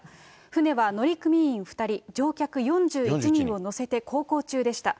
船は乗組員２人、乗客４１人を乗せて航行中でした。